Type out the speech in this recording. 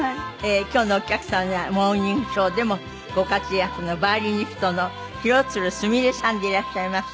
今日のお客様は『モーニングショー』でもご活躍のヴァイオリニストの廣津留すみれさんでいらっしゃいます。